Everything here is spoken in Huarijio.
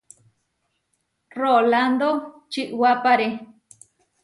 Rolándo čiʼwápare.